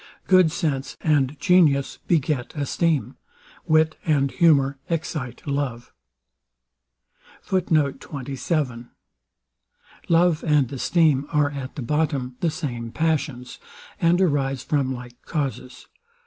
Good sense and genius beget esteem: Wit and humour excite love. Love and esteem are at the bottom the same passions, and arise from like causes.